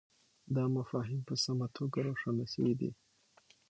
دا مفاهیم په سمه توګه روښانه سوي دي.